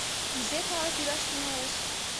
Кузе калык илаш тӱҥалеш?